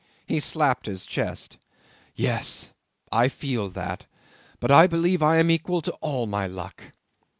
He slapped his chest. "Yes! I feel that, but I believe I am equal to all my luck!"